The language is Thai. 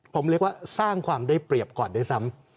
ผมเรียกว่าสร้างความได้เปรียบก่อนด้วยซ้ำ